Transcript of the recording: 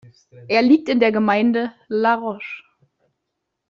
Er liegt in der Gemeinde La Roche.